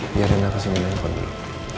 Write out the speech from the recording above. biarin aku sini main game dulu